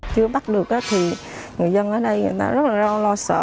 chưa bắt được thì người dân ở đây người ta rất là lo sợ